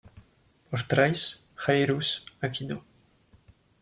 Portrays Jairus Aquino.